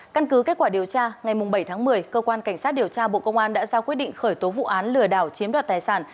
căn cứ kết quả điều tra ngày bảy tháng một mươi cơ quan cảnh sát điều tra bộ công an đã ra quyết định khởi tố vụ án lừa đảo chiếm đoạt tài sản